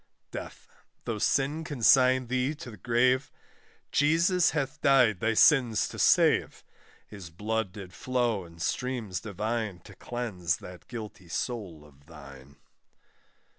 DEATH. Though sin consign thee to the gaave, Jesus hath died thy sins to save; His blood did flow in streams divine, To cleanse that guilty soul of thine.